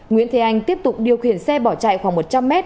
nguyễn thế anh tiếp tục điều khiển xe bỏ chạy khoảng một trăm linh m